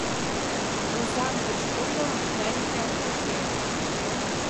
Озаҥ гыч кондымо праньыкем уке.